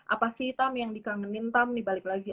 apa sih tam yang dikangenin tam di balik lagi